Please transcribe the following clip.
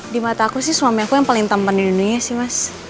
di mata aku sih suami aku yang paling tempen di indonesia sih mas